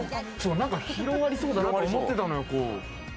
広がりそうだなと思ってたのよ。